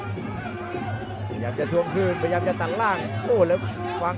พยายามจะถวงคลื่นพยายามจะตังร่าง